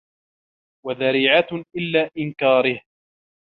وَذَرِيعَةٌ إلَى إنْكَارِهِ